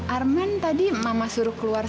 arman tadi mama suruh keluar